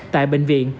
tại bệnh viện